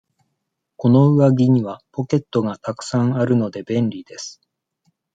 この上着にはポケットがたくさんあるので、便利です。